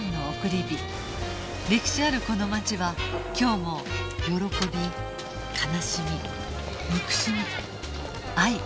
歴史あるこの街は今日も喜び悲しみ憎しみ愛